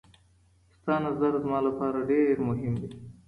ستا نظر زما لپاره ډېر مهم دی.